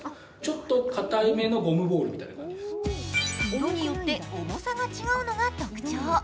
色によって重さが違うのが特徴。